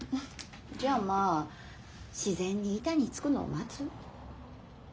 じゃまあ自然に板につくのを待つ？